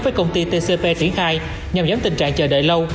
với công ty tcb triển khai nhằm giấm tình trạng chờ đợi lâu